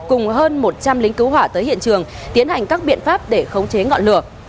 cùng hơn một trăm linh lính cứu hỏa tới hiện trường tiến hành các biện pháp để khống chế ngọn lửa